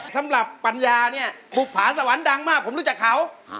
สำหรับปัญญาเนี่ยบุพราสวรรค์ดังมากผมรู้จากเขา